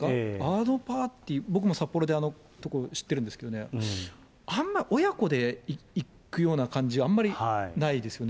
あのパーティー、僕も札幌で、あの所、知ってるんですけれどもね、あんま親子で行くような感じは、あんまりないですよね。